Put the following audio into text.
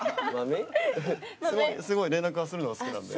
すごい連絡するのは好きなんで。